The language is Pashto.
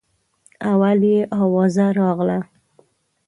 اول یې اوازه راغله.